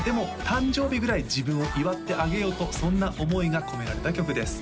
誕生日ぐらい自分を祝ってあげようとそんな思いが込められた曲です